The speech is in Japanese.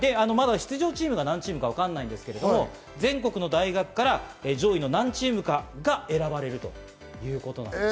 出場チームが何チームかはまだわかりませんが、全国の大学から上位の何チームかが選ばれるということなんです。